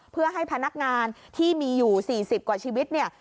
เพื่อให้พนักงานที่มีอยู่๔๐กว่าชีวิตเนี่ย